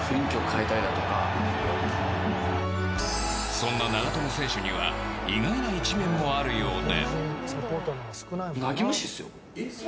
そんな長友選手には意外な一面もあるようで。